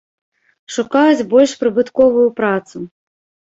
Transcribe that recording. Шукаюць больш прыбытковую працу.